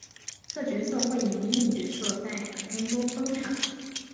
各角色会以迷你角色在短篇中登场。